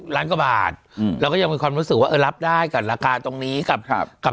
ล้านกว่าบาทอืมเราก็ยังมีความรู้สึกว่าเออรับได้กับราคาตรงนี้กับครับกับ